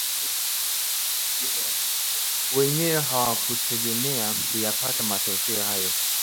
Wenyewe hawakutegemea kuyapata matokeo hayo